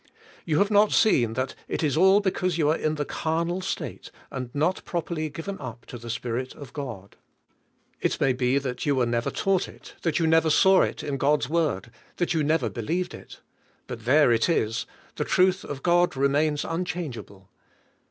You have not seen that it is all because you are in the carnal state, and not properly given up to the Spirit of God. It may be that you never were taught it; that you never saw it in God's Word; that you never believed it. But there it is; the truth of God remains unchangeable.